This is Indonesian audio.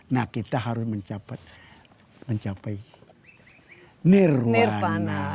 nah kita harus mencapai nirwana